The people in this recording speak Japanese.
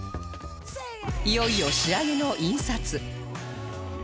いよいよ仕上げの印刷